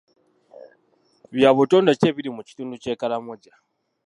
Bya butonde ki ebiri mu kitundu ky'e Karamoja?